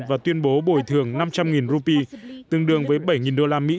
và tuyên bố bồi thường năm trăm linh rupee tương đương với bảy đô la mỹ